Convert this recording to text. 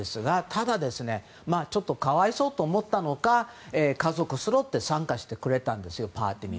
ただ、可哀想と思ったのか家族そろって参加してくれたんですよパーティーに。